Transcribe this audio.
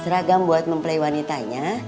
seragam buat mempelai wanitanya